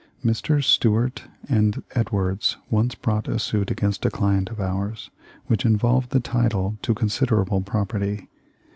"* Messrs. Stuart and Edwards once brought a suit against a client of ours which involved the title to considerable property.